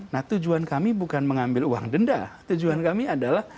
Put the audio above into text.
nah tujuan kami bukan mengambil uang denda tujuan kami adalah